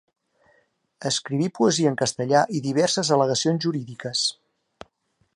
Escriví poesia en castellà i diverses al·legacions jurídiques.